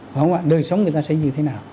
đúng không ạ đời sống người ta sẽ như thế nào